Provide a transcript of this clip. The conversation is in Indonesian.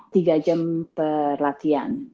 tiga jam per latihan